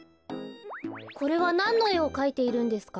これはなんのえをかいているんですか？